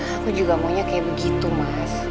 aku juga maunya kayak begitu mas